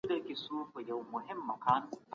د پرتله کولو کار باید په ماشین باندې ترسره سي.